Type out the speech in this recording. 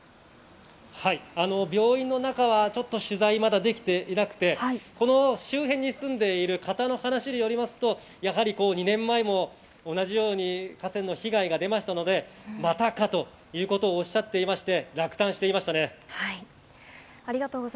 病院の中は取材がまだできていなくて、この周辺に住んでいる方の話によりますと、やはり２年前も同じように河川の被害が出ましたので、またかということをおっしゃっており落胆していました。